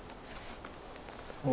お。